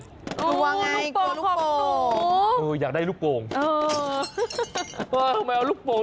ดูว่าอย่างไรดูลูกโป่ง